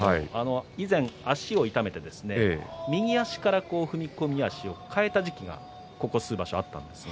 以前も足を痛めて右足から踏み込み足を変えた時期が、ここ数場所あったんです。